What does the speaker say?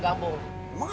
ini apaan sih